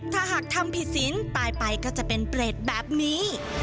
ถ้าหากทำผิดสินตายไปก็จะเป็นเปรตแบบนี้